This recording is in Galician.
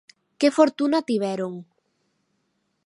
Que fortuna tiveron.